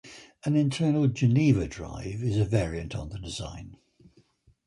An internal Geneva drive is a variant on the design.